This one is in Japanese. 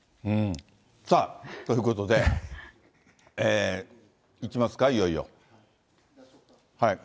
さあ、ということで、いきますか、いよいよ。